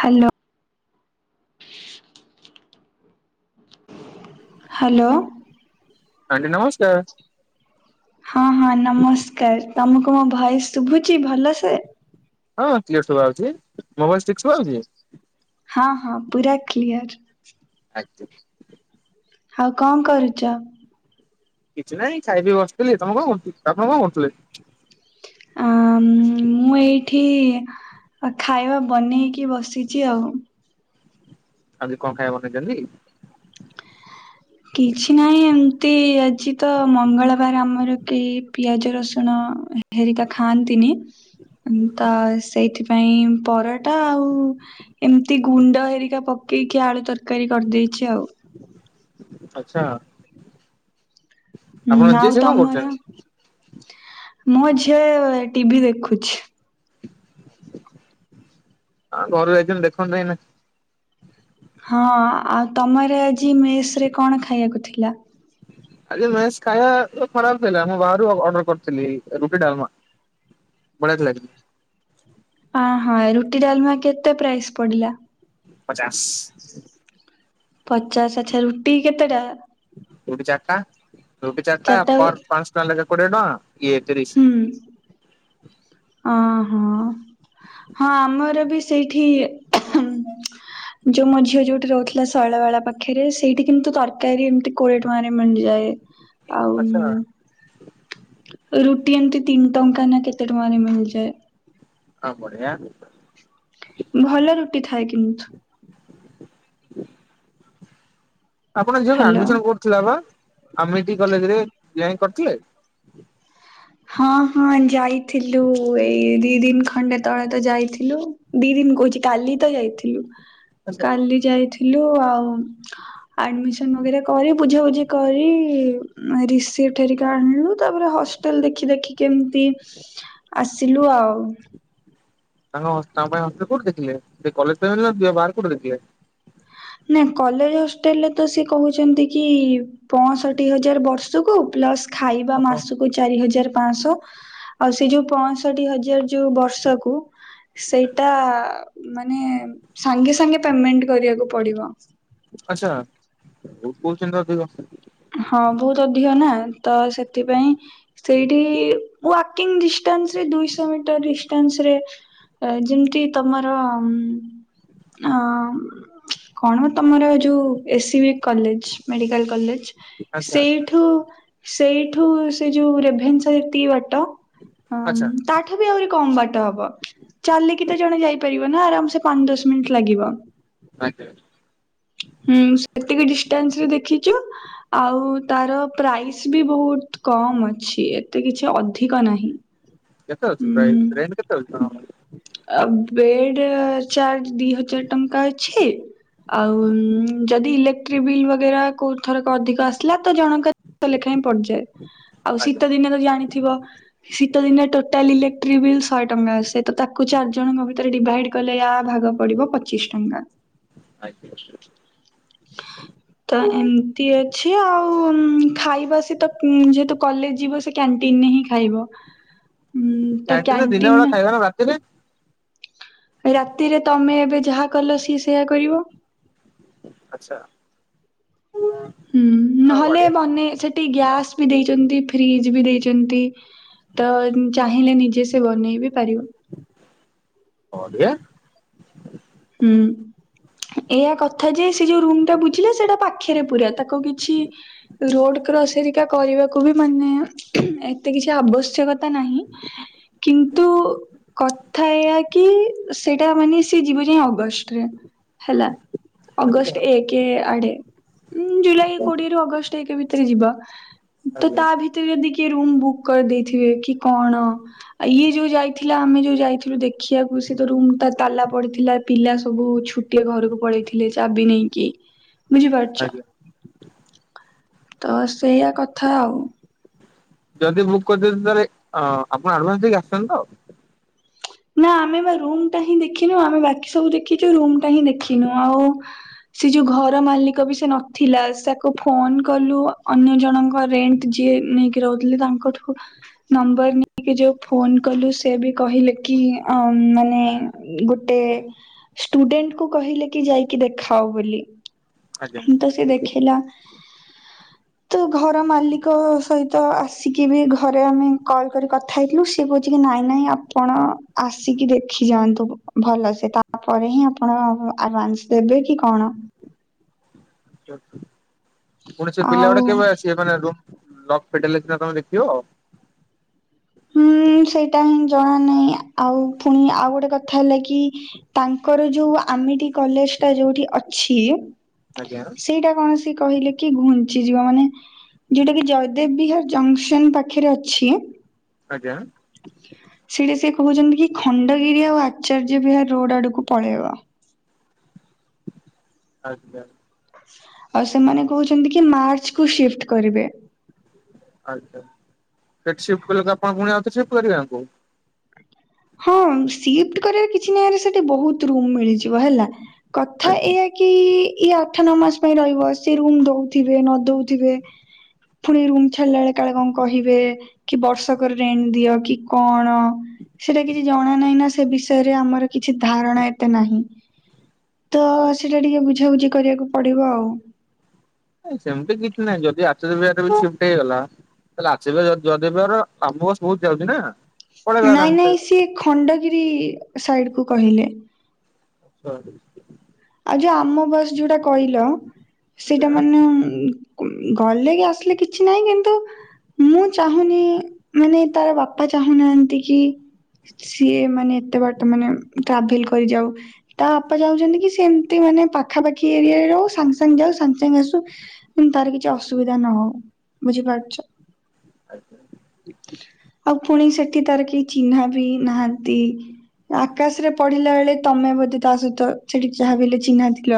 Hello hello? Aunty ନମସ୍କାର। ହଁ ହଁ ନମସ୍କାର। ତମକୁ ମୋ ଭଏସ୍ ଶୁଭୁଛି ଭଲସେ? ହଁ କ୍ଲିୟର ଶୁଭା ଯାଉଛି। ମୋ ଭଏସ୍ ଠିକ୍ ଶୁଭା ଯାଉଛି? ହଁ ହଁ ପୁରା କ୍ଲିଅର। ଆଜ୍ଞା। ଆଉ କଣ କରୁଛ? କିଛି ନାଇଁ ଖାଇପିଇ ବସିଥିଲି। ତମେ କଣ କରୁଥି? ଆପଣ କଣ କରୁଥିଲେ? ଆ ମୁଁ ଏଇଠି ଆଉ ଖାଇବା ବନେଇକି ବସିଛି ଆଉ। ଆଜି କଣ ଖାଇବା ବନେଇଛନ୍ତି? କିଛି ନାହିଁ ଏମିତି ଆଜି ତ ମଙ୍ଗଳବାର ଆମର କେହି ପିଆଜ, ରସୁଣ ହେରିକା ଖାଆନ୍ତିନି। ତ ସେଇଥିପାଇଁ ପରଟା ଆଉ ଏମିତି ଗୁଣ୍ଡ ହେରିକା ପକେଇକି ଆଳୁ ତରକାରୀ କରିଦେଇଛି ଆଉ। ଆଛା। ଆପଣ ହୁଁ ଆଉ ଯିଏ ସେ କଣ ତମର? କରୁଛନ୍ତି? ମୋ ଝିଅ ଟିଭିି ଦେଖୁଛି। ଆ ଘରୁ ଯାଇଛନ୍ତି ଦେଖନ୍ତୁ ଏନା। ହଁ ଆଉ ତମର ଆଜି ମେସ୍ ରେ କଣ ଖାଇବାକୁ ଥିଲା? ଆଜ୍ଞା ମେସ୍ ଖାଇବା ଖରାପ ଥିଲା ମୁଁ ବାହାରୁ ଅର୍ଡର କରିଥିଲି ରୁଟି, ଡାଲମା। ବଢ଼ିଆ ଥିଲା। ହ ହଁ ରୁଟି ଡାଲମା କେତେ ପ୍ରାଇସ୍ ପଡିଲା? ପଚାଶ। ପଚାଶ ଆଛା ରୁଟି କେତେଟା? ରୁଟି ଚାରିଟା। ରୁଟି ଚାରିଟା ପର ପାଞ୍ଚ ଟଙ୍କା ଲେଖା କୋଡିଏ ଟଙ୍କା। ଇଏ ତିରିଶ ହୁଁ। ଅ ହଁ। ହଁ ଆମର ବି ସେଇଠି ଯୋଉ ମୋ ଝିଅ ଯୋଉଠି ରହୁଥିଲା ଶୈଳା ବେଳା ପାଖରେ ସେଇଠି କିନ୍ତୁ ତରକାରୀ ଏମିତି କୋଡ଼ିଏ ଟଙ୍କା ରେ ମିଳିଯାଏ। ଆଉ ଆଚ୍ଛା ରୁଟି ଏମିତି ତିନି ଟଙ୍କା ନା କେତେ ଟଙ୍କାରେ ମିଳିଯାଏ। ହଁ ବଢିଆ। ଭଲ ରୁଟି ଥାଏ କିନ୍ତୁ। ଆପଣ ଝିଅ ହ୍ୟାଲୋ। ଆଡମିସନ କର ଥିଲା ବା ଆମେଟିକି କଲେଜ ରେ ଯେଇ କରିଥିଲେ। ହଁ ହଁ ଯାଇଥିଲୁ ଏଇ ଦି ଦିନ ଖଣ୍ଡେ ତଳେ ତ ଯାଇଥିଲୁ। ଦି ଦିନ କହୁଛି କାଲି ତ ଯାଇଥିଲୁ ଆଚ୍ଛା କାଲି ଯାଇଥିଲୁ ଆଉ ଆଡମିସନ ବଗେରା କରି ବୁଝା ବୁଝି କରି ରିସିପ୍ଟି ହେରିକା ଆଣିଲୁ ତାପରେ ହସ୍ ଟେଲ ଦେଖି ଦେଖିକି ଏମିତି ଆସିଲୁ ଆଉ। ତାଙ୍କ ହ ତାଙ୍କ ପାଇଁ ହଷ୍ଟେଲ କୋଉଠି ଦେଖିଲେ ସେ କଲେଜ ଟାଇମ୍ ରେ ନା ବାହାର କୋଉଠି ଦେଖିଲେ? ନା କଲେଜ ହଷ୍ଟେଲରେ ତ ସିଏ କହୁଛନ୍ତି କି? ପଅଷଠି ହଜାର ବର୍ଷକୁ ପ୍ଲସ୍ ଖାଇବା ଓହୋ ମାସକୁ ଚାରି ହଜାର ପାଶ ଆଉ ସେ ଯୋଉ ପଅଷଠି ହଜାର ଯୋଉ ବର୍ଷକୁ ସେଇଟା ମାନେ ସାଙ୍ଗେ ସାଙ୍ଗେ ପେମେଣ୍ଟ କରିବାକୁ ପଡିବ। ଆଛା ବହୁତ୍ କହୁଛନ୍ତି ଅଧିକ। ହଁ ବହୁତ ଅଧିକ ନା ତ ସେଥିପାଇଁ ସେଇଠି ୱାକିଂ ଡିଷ୍ଟାନ୍ସରେ ଦୁଇଶହ ମିଟର ଡିଷ୍ଟାନ୍ସ ରେ ଯେମିତି ତମର ଅ କଣ ତମର ଯୋଉ ଏ ସିବ କଲେଜ ମେଡିକାଲ କଲେଜ। ଆଚ୍ଛା ସେଇଠୁ ସେଇଠୁ ସେ ଯୋଉ ରେଭେନ୍ସା ଯେତିକି ବାଟ ହଁ ଆଚ୍ଛା ତାଠୁ ବି ଆହୁରି କମ ବାଟ ହବ। ଚାଲିକି ବି ତ ଜଣେ ଯାଇପାରିବ ନା ଆରାମ ସେ ପାଞ୍ଚ ଦଶ ମିନିଟ ଲାଗିବ। ଆଜ୍ଞା। ହୁଁ ସେତିକି ଡିଷ୍ଟାନ୍ସରେ ଦେଖିଚୁ। ଆଉ ତାର ପ୍ରାଇସ୍ ବି ବହୁତ କମ୍ ଅଛି ଏତେ କିଛି ଅଧିକ ନାହିଁ। କେତେ ଅଛି ପ୍ରାଇସି ଉଁ ରେଣ୍ଟ କେତେ ଅଛି। ଆ ବେଡ ଚାଜ ଦି ହଜାର ଟଙ୍କା ଅଛି ଆଉ ଯଦି ଇଲେ ବିଲି ବାଗେରା କୋଉ ଥର ଅଧିକ ଆସିଲା ତ ଜଣଙ୍କ ଲେଖା ପଡିଯାଏ। ଆଉ ଆପଣଙ୍କର? ଶୀତ ଦିନେ ତ ଜାଣିଥିବ ଶୀତ ଦିନେ ଟୋ ଟାଲି ଇଲେକ୍ଟ୍ରିକ ବିଲ୍ ଶହେ ଟଙ୍କା ଆସେ ତ ତାକୁ ଚାରି ଜଣଙ୍କ ଭିତରେ ଡିଭାଇଡି କଲେ ୟା ଭାଗ ପଡିବ ପଚିସି ଟଙ୍କା। ଆଜ୍ଞା ତ ଏମିତି ଅଛି ଆଉ ଖାଇବା ସେତ ଯେହେତୁ କଲେଜ ଯିବ ସେ କ୍ୟାଣ୍ଟିନ ରେ ହିଁ ଖାଇବ। ଉଁ ତ କ୍ୟାଣ୍ଟିନରେ ଦିନେ କ୍ୟାଣ୍ଟିନ ବେଳେ ଖାଇବା ନା ରାତିରେ? ରାତିରେ ତମେ ଏବେ ଯାହା କଲ ସିଏ ସେୟା କରିବ। ଆଛା। ହୁଁ ନହେଲେ ମନେ ସେଠି ଗ୍ୟାସ ବି ଦେଇଛନ୍ତି ଫ୍ରିଜ ବି ଦେଇଛନ୍ତି। ତ ଚାହିଁଲେ ନିଜେ ସେ ବନେଇ ବିି ପାରିବ। ବଢିଆ। ହୁଁ। ଏୟା କଥା ଯେ ସେ ଯୋଉ ରୁମ ଟା ବୁଝିଲା ସେଟା ପାଖରେ ପୁରା ତାକୁ କିଛି ରୋଡ କ୍ରସହେରିକା କରିବାକୁ ବି ମାନେ ଏତେ କିଛି ଆବଶ୍ୟକ ତା ନାହିଁ କିନ୍ତୁ କଥା ଏହା କି ସେଟା ମାନେ ସି ଯିବ ଯାଇ ଅଗଷ୍ଟରେ ହେଲା ଆଜ୍ଞା ଅଗଷ୍ଟ ଏକ। କି ଆଡେ ଜୁଲାଇ କୋଡିଏରୁ ଅଗଷ୍ଟ ଏକ ଭିତରେ ଯିବା ତ ତା ଭିତରେ ମତେ ଯଦି କିଏ ରୁମ୍ ବୁକ୍ କରିଦେଇଥିବେ କି କଣ। ଆଉ ଇଏ ଯୋଉ ଯାଇଥିଲା ଆମେ ଯୋଉ ଯାଇଥିଲୁ ଦେଖିବାକୁ ସେ ତ ରୁମ ଟା ତାଲା ପଡିଥିଲା। ପିଲା ସବୁ ଛୁଟିଆ ଘରକୁ ପଳେଇଥିଲେ ଚାବି ନେଇକି ବୁଝିପାରୁଛ। ଆଜ୍ଞା ତ ସେଇଆା କଥା ଆଉ। ଯଦି ବୁକ୍ କରିଦ ତାହେଲେ ଆପଣ ଆଡଭାନ୍ସ ଦେଇକି ଆସିଛନ୍ତି ତ? ନା ଆମେ ବା ରୁମ ଟା ହିଁ ଦେଖିନୁ ଆମେ ବାକି ସବୁ ଦେଖିଛୁ ରୁମ ଟା ହିଁ ଦେଖିନୁ ଆଉ। ସେ ଯୋଉ ଘର ମାଲିକ ବି ସେ ନଥିଲା ସେକୁ ଫୋନ କଲୁ ଅନ୍ୟ ଜଣଙ୍କ ରେଣ୍ଟ ଯିଏ ନେଇକି ରହୁଥିଲେ ତାଙ୍କଠୁ ନମ୍ବର ନେଇକି ଯଉଁ ଫୋନ କଲୁ ସେ ବି କହିଲେ କି ଅ ମାନେ ଗୋଟେ ଷ୍ଟୁଡେଣ୍ଟ କୁ କହିଲେ କି ଯାଇକି ଦେଖାଅ ବୋଲି ଆଜ୍ଞା ତ ସେ ଦେଖିଲା। ତ ଘର ମାଲିକ ସହିତ ଆସିକି ବି ଘରେ ଆମେ କଲ କରି କଥା ହେଇଥିଲୁ ସେ କହୁଛି କି ନାଇଁ ନାଇଁ ଆପଣ ଆସିକି ଦେଖି ଯାଆନ୍ତୁ ଭଲସେ ତାପରେ ହିଁ ଆପଣ ଆଡଭାନ୍ସ ଦେବେ କି କଣ। ପୁଣି ସେ ପିଲା ଆଉ ଗୁଡେ କେବେ ଆସ [unintelligible] ଲକ ଫିଟେଇଲେ ନା ସିନା ତମେ ଦେଖିବ। ହୁଁ ସେଇଟା ହିଁ ଜଣା ନାହିଁ ଆଉ ପୁଣି ଆଉ ଗୋଟେ କଥା ହେଲା କି ତାଙ୍କର ଯୋଉ ଆମିଠି କଲେଜ ଟା ଯୋଉଠି ଅଛି। ଆଜ୍ଞା। ସେଇଟା କୌଣସି କହିଲେ କି ଘୁଞ୍ଚିଯିବ ମାନେ ଯଉଟା କି ଜୟଦେବ ବିହାର ଜଙ୍କସନ ପାଖରେ ଅଛି। ଆଜ୍ଞା। ସେଇଟା ସେ କହୁଛନ୍ତି କି ଖଣ୍ଡଗିରି ଆଉ ଆଚାର୍ଯ୍ୟ ବିହାର ରୋଡ ଆଡକୁ ପଳେଇବ। ଆଜ୍ଞା। ଆଉ ସେମାନେ କହୁଛନ୍ତି କି ମାର୍ଚ୍ଚ କୁ ସିଫ୍ଟ କରିବେ। ଆଚ୍ଛା ସେଠି ସିଫଟ କଲେ ଆପଣ ପୁଣି ଆଉଥରେ ସିଫ୍ଟ କରିବେ ଆଙ୍କୁ। ହଁ ସିଫ୍ଟ କରିବାର କିଛି ନାଁରେ ସେଠି ବହୁ ରୁମ ମିଳିଯିବ ହେଲା କଥା ଆଜ୍ଞା। ଏହା କି ଇଏ ଆଠ ନ ମାସ ପାଇଁ ରହିବ ସେଏ ରୁମ ଦଉଥିବେ ନ ଦଉଥିବେ। ପୁଣି ରୁମ ଛାଡିଲା ବେଳେ କାଳେ କଣ କହିବେ। କି ବର୍ଷକ ରେଣ୍ଟ ଦିଅ କି କଣ। ସେଟା କିଛି ଜଣା ନାହିଁ ନା ସେ ବିଷୟରେ ଆମର କିଛି ଧାରଣା ଏତେ ନାହିଁ। ତ ସେଇଟା ଟିକେ ବୁଝାବୁଝି କରିବାକୁ ପଡିବ ଆଉ। ନସେମିତି କିଛି ନାହିଁ ଯଦିଆଚାର୍ଯ୍ୟ ବିହାରରେ ବି ସିଫ୍ଟ ହେଇଗଲା। ତାଲେ ଆସିବେ ଜଦେବର ଆମ ବସ ବହୁତ ଯାଉଛି ନା। ପଳେଇବା ନାଇଁ ଆରାମସେ। ନାଇଁ ସିଏ ଖଣ୍ଡଗିରି ସାଇଡ କୁ କହିଲେ। ଆଛା। ଆଉ ଯୋଉ ଆମ ବାସ ଯୋଉଟା କହିଲ ଆଜ୍ଞା ସେଇଟା ମାନେ ଗଲେ କି ଆସିଲେ କିଛି ନାହିଁ କିନ୍ତୁ ମୁଁ ଚାହୁଁନି ମାନେ ତାର ବାପା ଚାହୁଁନାହାନ୍ତି କି ସିଏ ମାନେ ଏତେ ବାର ମାନେ ଟ୍ରାଭେଲ କରି ଯାଉ ତା ବାପା ଯାଉଛନ୍ତି କି ସେମିତି ମାନେ ପାଖାପାଖି ଏରିଆରେ ରହୁ ସାଙ୍ଗେ ସାଙ୍ଗେ ଯାଉ ସାଙ୍ଗେ ସାଙ୍ଗେ ଆସୁ। କିନ୍ତୁ ତାର କିଛି ଅସୁବିଧା ନ ହଉ ବୁଝିପାରୁଛ? ଆଉ ପୁଣି ସେଠି ତାର କେହି ଚିହ୍ନା ବି ନାହାନ୍ତି। ଆକାଶରେ ପଡିଲା ବେଳେ ତମେ ବୋଧେ ତା ସହିତ ସେଠି ଯାହା ବି ହେଲେ ଚିହ୍ନା ଥିଲ।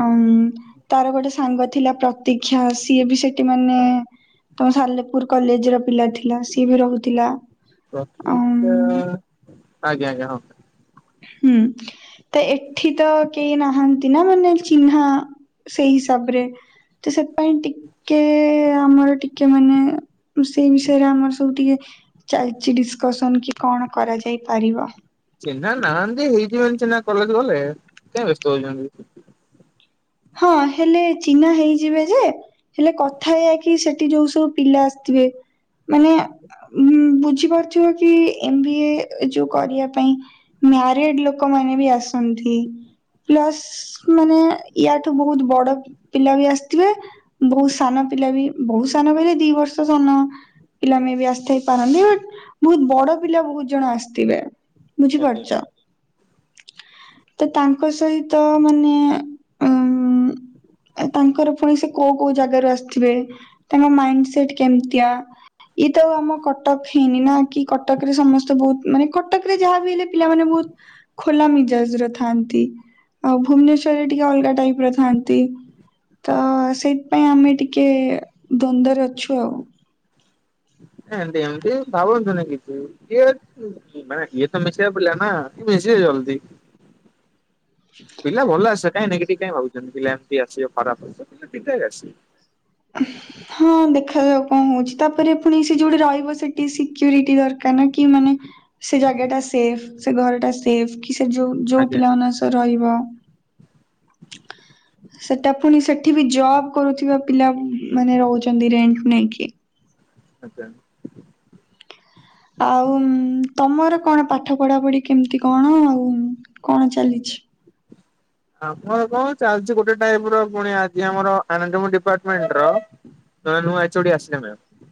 ଆଁ ଉଁ। ତାର ଗୋଟେ ସାଙ୍ଗ ଥିଲା ପ୍ରତୀକ୍ଷା ସିଏ ବି ସେଠି ମାନେ ତମେ ସାଲେପୁର କଲେଜ୍‌ ର ପିଲା ଥିଲା। ସିଏ ବି ରହୁଥିଲା। ପ୍ରତିକ୍ଷା ଅମ୍ ଆଜ୍ଞା ଆଜ୍ଞା ହଁ। ହୁଁ। ତେ ଏଠି ତ କେହି ନାହାନ୍ତି ନା ମାନେ ଚିହ୍ନା ସେଇ ହିସାବରେ। ତ ସେପାଇଁ ଟି କେ ଆମର ଟିକେ ମାନେ ସେଇ ବିଷୟରେ ଆମର ସବୁ ଟିକେ ଚାଲିଛି ଡିସ୍କସନ୍‌ କି କଣ କରାଯାଇ ପାରିବ। ଚିହ୍ନା ନାହାନ୍ତି ହେଇତିପାଇଁ ଚିହ୍ନା କଲେଜ୍‌ ଗଲେ। କାଇଁ ବ୍ୟସ୍ତ ହୋଉଛନ୍ତି। ହଁ ହେଲେ ଚିହ୍ନା ହେଇଯିବେ ଯେ ହେଲେ କଥା ଏଇୟା କି ସେଠି ଯୋଉ ସବୁ ପିଲା ଆସିଥିବେ ମାନେ ଉଁ ବୁଝିପାରୁଥିବେ କି ଏମ୍ ବି ଏ ଯୋଉ କରିବା ପାଇଁ ମ୍ୟାରେଡ୍‌ ଲୋକମାନେ ବି ଆସନ୍ତି ପ୍ଲସ୍ ମାନେ ୟା ଠୁ ବହୁତ ବଡ ପିଲା ବି ଆସିଥିବେ। ବହୁତ ସାନ ପିଲା ବି ବହୁତ ସାନ ବୋଲି ଦି ବର୍ଷ ସାନ। ପିଲା ମେବି ଆସିଥାଇ ପାରନ୍ତି ବଟ୍ ବହୁତ ବଡ ପିଲା ବହୁତ ଜଣ ଆସିଥିବେ ବୁଝିପାରୁଛ। ତ ତାଙ୍କ ସହିତ ମାନେ ଉଁ ତାଙ୍କର ପୁଣି ସେ କୋଉ କୋଉ ଜାଗାରୁ ଆସିଥିବେ ତାଙ୍କ ମାଇଣ୍ଡ ସେଟ୍ କେମତିଆ? ଇଏ ତ ଆମ କଟକ ହେଇନି ନା କି କଟକରେ ସମସ୍ତେ ବହୁତ ମାନେ କଟକ ରେ ଯାହାବ ହେଲେ ପିଲାମାନେ ବହୁତ ଖୋଲା ମିଜାଜ୍‌ ର ଥାନ୍ତି ଆଉ ଭୁବନେଶ୍ଵରରେ ଟିକେ ଅଲଗା ଟାଇପ୍ ର ଥାନ୍ତି। ତ ସେଇଥିପାଇଁ ଆମେ ଟିକେ ଦ୍ଵନ୍ଦରେ ଅଛୁ ଆଉ। ଏମିତି ଏମିତି ଭାବନ୍ତୁନି କିଛି କିଏ ମାନେ ଇଏ ତ ମିଶିବା ପିଲା ନା ମିଶିବେ ଜଲ୍ଦି। ପିଲା ଭଲ ଆସେ କାଇଁ ନେଗେଟିଭ୍‌ କାଇଁ ଭାବୁଛନ୍ତି ପିଲା ଏମିତି ଆସିବ ଖରାପ୍ ଆସିବ ପିଲା ଠିକ୍ ଠାକ୍ ଆସିବ। ହ ହଁ ଦେଖାଯାଉ କଣ ହୋଉଛି ତାପରେ ପୁଣି ସେ ଯୋଉଟି ରହିବ ସେଠି ସିକ୍ୟୁରିଟି ଦରକାର ନା କି ମାନେ ସେ ଆଜ୍ଞା ଜାଗାଟା ସେଫ୍ ସେ ଘରଟା ସେଫ୍ କି ସେ ଯୋଉ ଯୋଉ ଆଜ୍ଞା ପିଲାମାନଙ୍କ ସହ ରହିବ। ସେଟା ପୁଣି ସେଠି ବି ଜବ୍ କରୁଥିବା ପିଲା ମାନେ ରହୁଛନ୍ତି ରେଣ୍ଟକୁ ନେଇକି। ଆଚାନ୍ ଆଉ ତମର କଣ ପାଠ ପଢାପଢି କେମିତି କଣ ଆଉ କଣ ଚାଲିଛି? ଆମର କଣ ଚାଲିଛି ଗୋଟେ ଟାଇପ୍ ର ପୁଣି ଆଜି ଆମର ଆନା [unintelligible] ଡିପାର୍ଟମେଣ୍ଟ ର ନୁଆଁ ନୁଆଁ ଏଚୋଡି ଆସିନି ମ୍ୟାମ୍।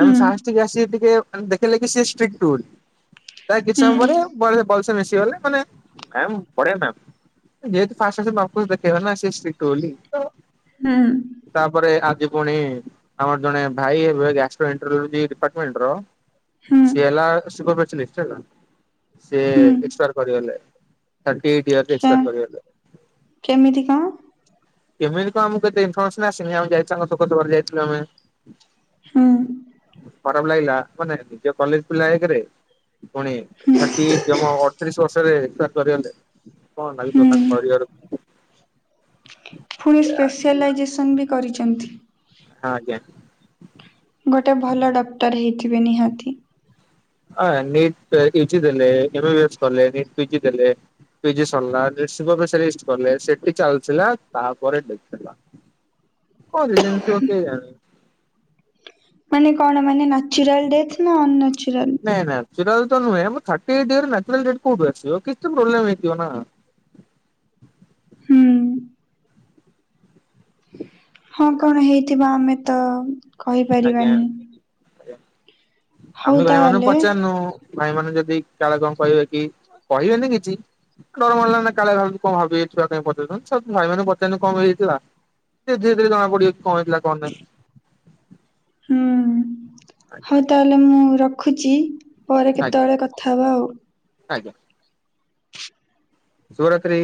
ହୁଁ ସାହାସୀ ଟିକେ ଆସି ଟିକେ ଦେଖେଲେ କିି ସିଏ ଷ୍ଟ୍ରିଟ୍ ବୋଲି ତା କିଛି ହୁଁ ସମୟ ପରେ ଵଳେ ପଇସା ମିଶିଗଲେ ମାନେ ଆମ୍ ପରିଆମ୍ୟାମ୍। ଯେହେତୁ ଫାଷ୍ଟ ଆସେ [unintelligible] ସେ ଷ୍ଟ୍ରିଟ୍ ବୋଲି। ହୁଁ। ତାପରେ ଆଜି ପୁଣି ଆମର ଜଣେ ଭାଇ ହେବେ ଗ୍ୟାସ ଏଣ୍ଟୋଫିଉ ଦିଏ ଡିପାର୍ଟମେଣ୍ଟ ର। ହୁଁ ସି ହେଲା ସୁଗ ପେଶାଲିଷ୍ଟ ସେଇ ଏକ୍ସପାର କରିଗଲେ। ଥାର୍ଟି ଏଇଟ୍ ଇଅର ରେ ଏକ୍ସପାର ହୁଁ। କରିଗଲେ। କେମିତି କଣ କେବେବି କଁ ଆମକୁ ଏତେ ଇନଫର୍ମେସନ ଆସିନି ଆମେ ଯାଇଥାନ୍ତୁ ଶୋକ ସଭାରେ ଯାଇଥିଲୁ ଆମେ। ହଁ। ଖରାପ ଲାଗିଲା ମାନେ ନିଜ କଲେଜ ପିଲାଏକରେ ପୁଣି ଥାଟି ଏଇଟ ଜମା ଅଠତିରିଶ ବର୍ଷରେ ଏକ୍ସ ପାର କରିଗଲେ। କଁ ନାଗିଥିବ ହୁଁ। ତାଙ୍କ ପରିବାର ପୁଣି ସ୍ପେସିଆଲାଇଜେସନ୍ ବି କରିଛନ୍ତି। ହଁ ଆଜ୍ଞା। ଗୋଟେ ଭଲ ଡକ୍ଟର ହେଇଥିବେ ନିହାତି। ହଁ ନିଟ ଏଯି ଦେଲେ ଏମ୍ ବି ଏସ କଲେ [unintelligible] ଦେଲେ। ପିଜି ସରିଲା ଶିବ ସ୍ପେଶିଆଲିଷ୍ଟ କଲେ ସେଠି ଚାଲିଥିଲା ତାପରେ ଦେଖିଲା ପରେ ଜାଣଥିବ କେଜାଣି। ମାନେ କଣ ମାନେ ନ୍ୟଚୁରାଲ ଡେଥ ନା ଅନ୍ୟଚୁରାଲ? ନାଇଁ ନାଚୁରାଲ ତ ନୁହେଁ ଥାଟୀ ଏଇଟ ଇଅର ନାଚୁରଲ ଡେଥ କୋଉଠୁ ଆସିବ କିଛି ପ୍ରୋବ୍ଲେମ ହେଇଥିବ ନା। ହୁଁ। ହଁ କଣ ହେଇଥିବ ଆମେ ତ ଆଜ୍ଞା କହିପାରିବାନି। ଆଜ୍ଞା ହଉ ଆମେ ଭାଇ ମାନଙ୍କୁ ତାହେଲେ ପଚାରନୁ ଭାଇ ମାନେ ଯଦି କାଳେ କଣ କହିବେ କି କହିବେନି କିଛି ଡର ମାଡ଼ଲା ନା କାଳେ ଭୁ କଣ ଭାବିବେ ଛୁଆ କାଇ ପଚାରଛନ୍ତି, ସୁ ଭାଇ ମାନଙ୍କୁ ପଚାରୁ କ ପାଇ ହେଇଯାଇଥିଲା। ସେ ଧୀରେ ଧୀରେ ଜଣା ପଡିବ କି କଣ ହେଇଥିଲା କଣ ନାଇଁ। ହୁଁ ହୁଁ। ଆଜ୍ଞା ହଉ ତାହେଲେ ମୁଁ ରଖୁଛି ପରେ ଆଜ୍ଞା କେତେବେଳେ କଥା ହବା ଆଉ। ଆଜ୍ଞା। ଶୁଭ ରାତ୍ରି।